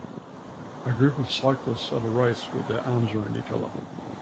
A group of cyclists at a race with their arms around each other.